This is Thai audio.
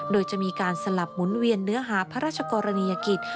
โดยจะมีการสลับหมุนเวียนเนื้อหาพระราชกรณียกิจ